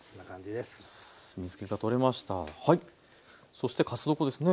そしてかす床ですね。